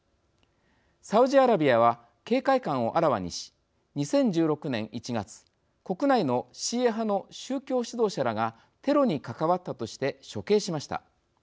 サウジアラビアは警戒感をあらわにし２０１６年１月国内のシーア派の宗教指導者らがテロに関わったとして処刑しました。